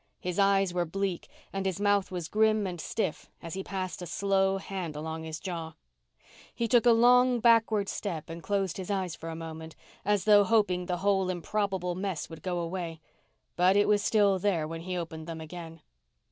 His eyes were bleak and his mouth was grim and stiff as he passed a slow hand along his jaw. He took a long, backward step and closed his eyes for a moment as though hoping the whole improbable mess would go away. But it was still there when he opened them again.